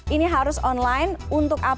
ini harus online untuk apa